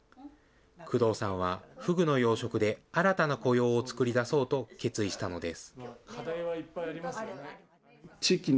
工藤さんはフグの養殖で新たな雇用を作り出そうと決意したのです。